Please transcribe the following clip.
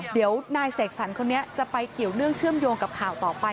เดี๋ยวนายเสกสรรคนนี้จะไปเกี่ยวเนื่องเชื่อมโยงกับข่าวต่อไป